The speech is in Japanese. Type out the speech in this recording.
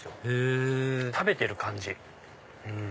へぇ食べてる感じ。